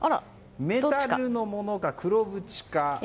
メタルのものか、黒縁か。